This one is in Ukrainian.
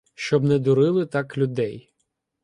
Щоб не дурили так людей.